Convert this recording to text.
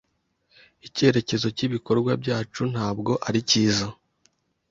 Icyerekezo cyibikorwa byacu ntabwo ari cyiza.